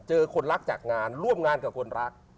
คนรักจากงานร่วมงานกับคนรัก